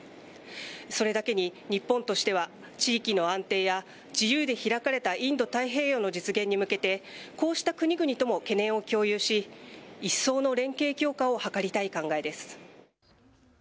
それだけに日本としては地域の安定や自由で開かれたインド太平洋の実現に向けてこうした国々とも懸念を共有し一層の連携強化を図りたい考えです。